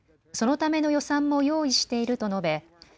そのための予算も用意していると述べ